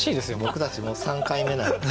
僕たちもう３回目なのに。